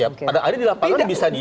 ya pada hari di lapangan bisa di